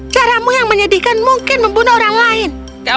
caramu yang menyedihkan mungkin membunuh orang lain